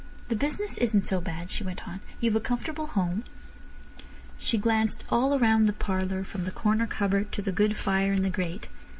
"The business isn't so bad," she went on. "You've a comfortable home." She glanced all round the parlour, from the corner cupboard to the good fire in the grate.